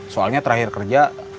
soalnya terakhir kerja